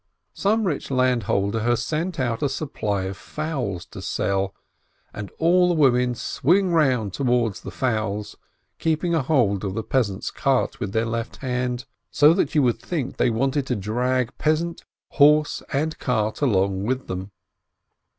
Some rich landholder has sent out a supply of fowls to sell, and all the women swing round towards the fowls, keeping a hold on the peasant's cart with their left hand, so that you would think they wanted to drag peasant, horse, and cart along with them.